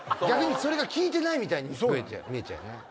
逆にそれが聞いてないみたいに見えちゃうよね。